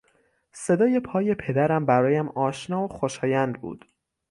صدای پای پدرم برایم آشنا و خوشایند بود.